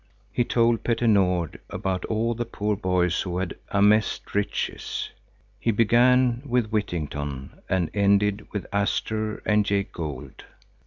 He told Petter Nord about all the poor boys who had amassed riches. He began with Whittington and ended with Astor and Jay Gould.